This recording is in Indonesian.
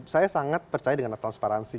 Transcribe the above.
saya sangat percaya dengan transparansi